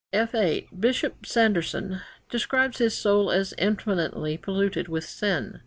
[F 8] Bishop Sanderson described his soul as 'infinitely polluted with sin.'